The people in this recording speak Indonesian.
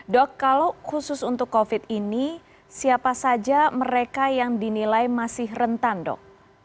dok kalau khusus untuk covid ini siapa saja mereka yang dinilai masih rentan dok